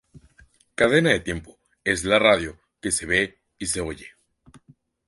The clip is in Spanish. Cadena Tiempo, es la radio que se ve y se oye.